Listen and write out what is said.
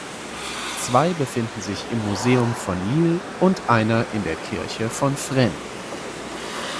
Zwei befinden sich im Museum von Lille und einer in der Kirche von Fresnes.